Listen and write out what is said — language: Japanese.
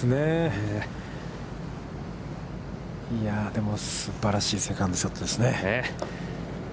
でもすばらしいセカンドショットですね。